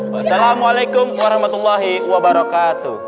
wassalamualaikum warahmatullahi wabarakatuh